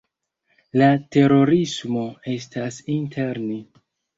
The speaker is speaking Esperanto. La terorismo estas inter ni.